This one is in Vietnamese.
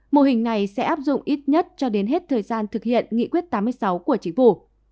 mô hình này sẽ áp dụng ít nhất cho đến hết thời gian thực hiện nghị quyết tám mươi sáu của chính phủ